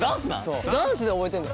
ダンスで覚えてるの？